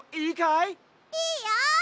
いいよ！